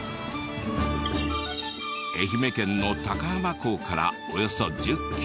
愛媛県の高浜港からおよそ１０キロ。